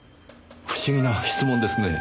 不思議な質問ですねぇ。